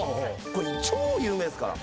これ超有名ですから。